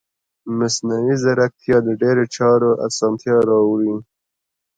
مصنوعي ځیرکتیا د ډیرو چارو اسانتیا راوړي.